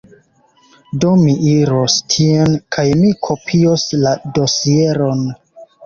Do mi iros tien, kaj mi kopios la dosieron.